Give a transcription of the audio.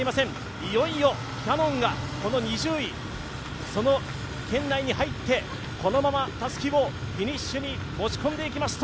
いよいよキヤノンが２０位、その圏内に入ってこのまま、たすきをフィニッシュに持ち込んでいきますと